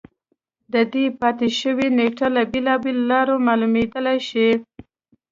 د دې پاتې شونو نېټه له بېلابېلو لارو معلومېدای شي